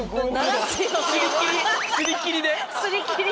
すり切りで？